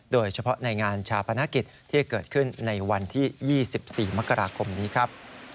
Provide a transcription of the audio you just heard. โดยเฉพาะในงานชาปนกิจที่เกิดขึ้นในวันที่๒๔มกราคมนี้ครับ